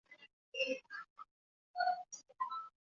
团结是澳大利亚的一个托洛茨基主义组织。